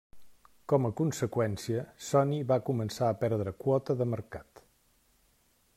Com a conseqüència, Sony va començar a perdre quota de mercat.